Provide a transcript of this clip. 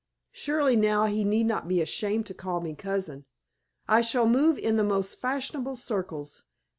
Surely, now he need not be ashamed to call me cousin. I shall move in the most fashionable circles.